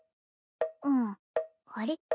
うんあれっ？